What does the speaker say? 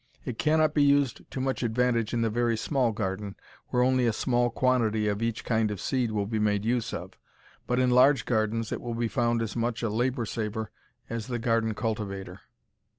It cannot be used to much advantage in the very small garden, where only a small quantity of each kind of seed will be made use of, but in large gardens it will be found as much a labor saver as the garden cultivator.